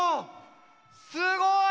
すごい！